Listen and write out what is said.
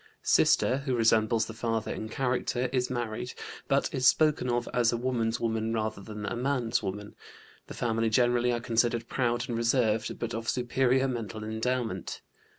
Sister, who resembles the father in character, is married, but is spoken of as a woman's woman rather than a man's woman. The family generally are considered proud and reserved, but of superior mental endowment.